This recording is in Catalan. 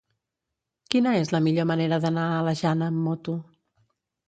Quina és la millor manera d'anar a la Jana amb moto?